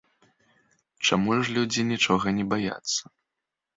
Чаму ж людзі нічога не баяцца?